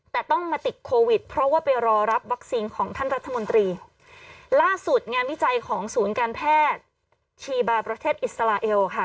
แต่ต้องมาติดโควิดเพราะว่าไปรอรับวัคซีนของท่านรัฐมนตรีล่าสุดงานวิจัยของศูนย์การแพทย์ชีบาประเทศอิสราเอลค่ะ